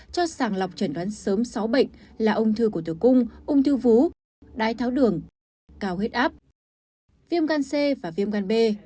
cho sàng lọc trần đoán sớm sáu bệnh là ung thư cổ tử cung ung thư vú đái tháo đường cao huyết áp viêm gan c và viêm gan b